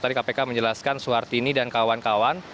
tadi kpk menjelaskan suhartini dan kawan kawan